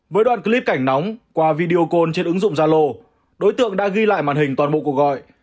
với đoạn clip cảnh nóng qua video call trên ứng dụng zalo đối tượng đã ghi lại màn hình toàn bộ cuộc gọi